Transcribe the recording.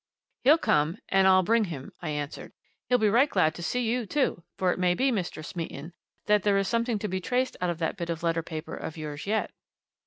"He'll come and I'll bring him," I answered. "He'll be right glad to see you, too for it may be, Mr. Smeaton, that there is something to be traced out of that bit of letter paper of yours, yet."